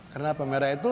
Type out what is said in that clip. kenapa merah itu